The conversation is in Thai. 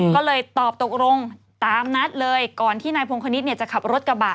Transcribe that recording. ก็เลยตอบตกลงตามนัดเลยก่อนที่นายพงคณิตจะขับรถกระบะ